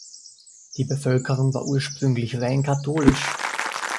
Die Bevölkerung war ursprünglich rein katholisch.